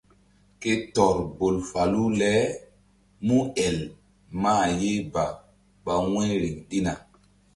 Ke tɔr bol falu le múel mah ye ba ɓa wu̧y riŋ ɗina.